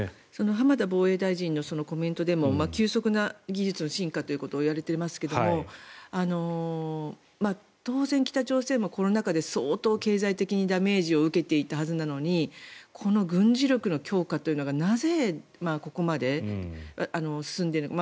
浜田防衛大臣のコメントでも急速な技術の進化と言われていますが当然、北朝鮮もコロナ禍で相当、経済的にダメージを受けていたはずなのにこの軍事力の強化がなぜ、ここまで進んでいるのか。